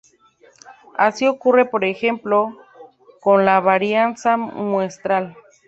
Así ocurre, por ejemplo, con la varianza muestral.